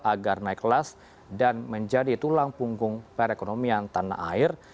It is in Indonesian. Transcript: agar naik kelas dan menjadi tulang punggung perekonomian tanah air